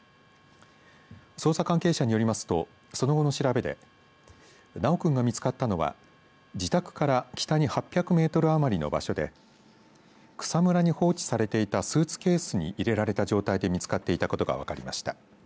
捜査関係者によりますとその後の調べで修君が見つかったのは自宅から北に８００メートル余りの場所で草むらに放置されていたスーツケースに入れられた状態で見つかっていたことが分かりました。